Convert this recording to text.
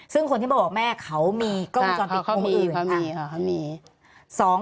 ซึ่งคนที่มาบอกแม่เขามีกล้องวงจรปิดมุมอื่น